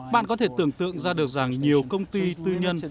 bạn có thể tưởng tượng ra được rằng nhiều công ty tư nhân